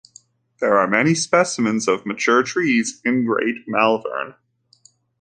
There are many specimens of mature trees in Great Malvern.